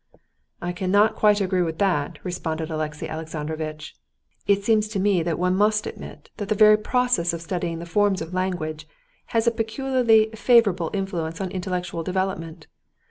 "I cannot quite agree with that," responded Alexey Alexandrovitch "It seems to me that one must admit that the very process of studying the forms of language has a peculiarly favorable influence on intellectual development.